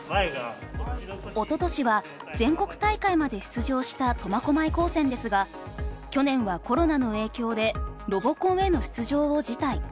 おととしは全国大会まで出場した苫小牧高専ですが去年はコロナの影響でロボコンへの出場を辞退。